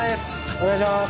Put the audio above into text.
お願いします。